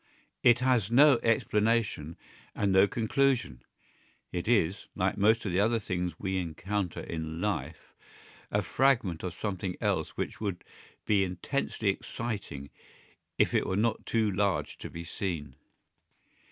It has no explanation and no conclusion; it is, like most of the other things we encounter in life, a fragment of something else which would be intensely exciting if it were not too large to be seen.